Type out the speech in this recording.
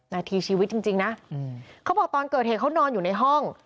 นาทีชีวิตจริงนะเขาบอกตอนเกิดเหตุเขานอนอยู่ในห้อง